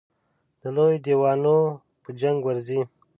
د لویو دېوانو په جنګ ورځي.